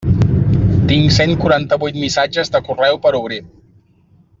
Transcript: Tinc cent quaranta-vuit missatges de correu per obrir.